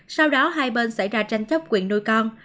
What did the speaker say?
sau đó hai bên xảy ra tranh chấp quyền nuôi con